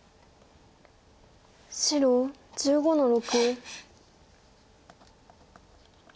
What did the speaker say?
白１５の六。